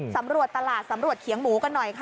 สำรวจตลาดสำรวจเขียงหมูกันหน่อยค่ะ